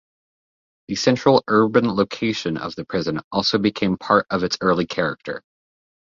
The central urban location of the prison also became part of its early character.